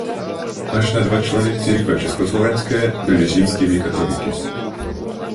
Až na dva členy církve československé byli římskými katolíky.